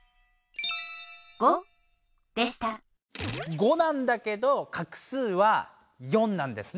５なんだけど画数は４なんですね。